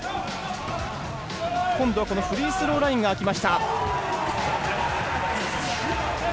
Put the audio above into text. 今度はこのフリースローラインが空きました。